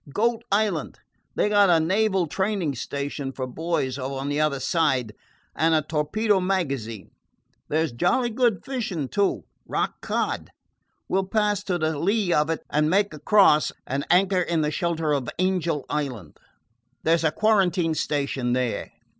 "Goat Island. They 've got a naval training station for boys over on the other side, and a torpedo magazine. There 's jolly good fishing, too rock cod. We 'll pass to the lee of it, and make across, and anchor in the shelter of Angel Island. There 's a quarantine station there.